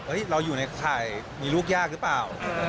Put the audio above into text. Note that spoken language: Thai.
เราอยู่ในข่ายมีลูกยากหรือเปล่า